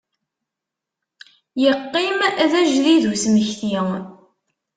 Yeqqim d ajedid usmekti.